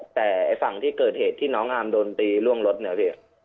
แต่ไอ้ฝั่งที่เกิดเหตุที่น้องอาร์มโดนตีล่วงรถเนี่ยพี่